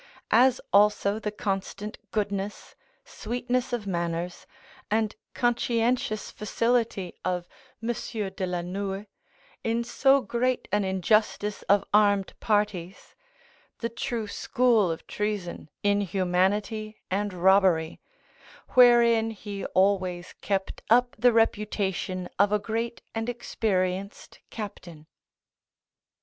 As also the constant goodness, sweetness of manners, and conscientious facility of Monsieur de la Noue, in so great an injustice of armed parties (the true school of treason, inhumanity, and robbery), wherein he always kept up the reputation of a great and experienced captain.